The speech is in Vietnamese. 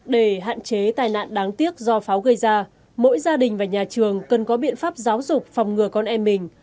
với tài nạn đáng tiếc do pháo gây ra mỗi gia đình và nhà trường cần có biện pháp giáo dục phòng ngừa con em mình